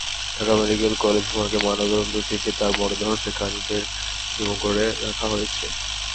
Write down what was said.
Dhaka medical college মর্গে ময়নাতদন্ত শেষে তাঁর মরদেহ সেখানের হিমঘরে রাখা হয়েছে।